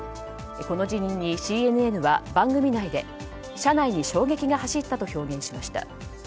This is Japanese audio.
この辞任にＣＮＮは番組内で社内に衝撃が走ったと表現しました。